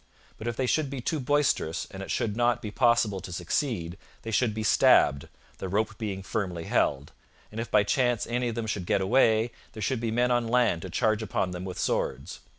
But if they should be too boisterous and it should not be possible to succeed, they should be stabbed, the rope being firmly held; and if by chance any of them should get away, there should be men on land to charge upon them with swords.